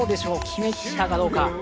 決めきったかどうか。